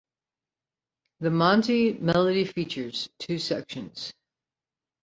The Monte melody features two sections.